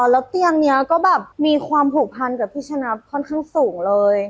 แล้วเตียงนี้ก็แบบมีความผูกพันกับพี่ชนะค่อนข้างสูงเลย